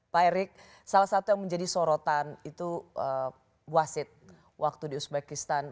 pak erik salah satu yang menjadi sorotan itu wasit waktu di uzbekistan